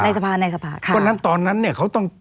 ซึ่งตอนนั้นเขาต้อง